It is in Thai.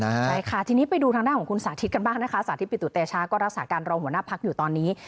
ใช่ค่ะทีนี้ไปดูทางด้านของคุณสาธิตกันบ้างนะคะสาธิตปิตุเตชะก็รักษาการรองหัวหน้าพักอยู่ตอนนี้